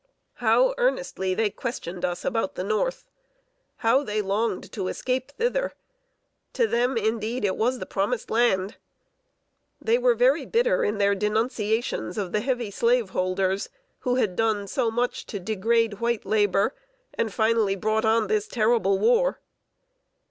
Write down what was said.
How earnestly they questioned us about the North! How they longed to escape thither! To them, indeed, it was the Promised Land. They were very bitter in their denunciations of the heavy slaveholders, who had done so much to degrade white labor, and finally brought on this terrible war.